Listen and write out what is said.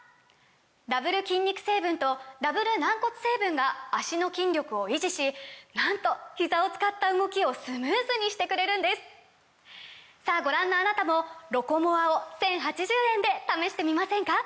ダブル筋肉成分とダブル軟骨成分が脚の筋力を維持しなんとひざを使った動きをスムーズにしてくれるんですさぁご覧のあなたも「ロコモア」を１，０８０円で試してみませんか！